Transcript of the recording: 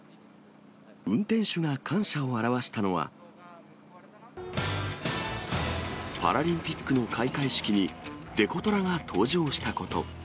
運転手が感謝を表したのは、パラリンピックの開会式にデコトラが登場したこと。